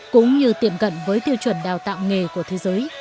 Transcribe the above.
cũng như tiệm cận với tiêu chuẩn đào tạo nghề của thế giới